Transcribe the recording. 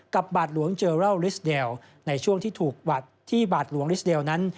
กับบาทหลวงเจอรัลลิสเดลในช่วงที่บาทหลวงลิสเดลนั้น